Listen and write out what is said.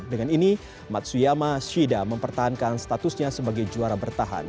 dengan ini matsuyama shida mempertahankan statusnya sebagai juara bertahan